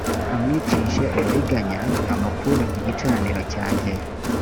amwicishe uburiganya umukure ku gicaniro cyanjye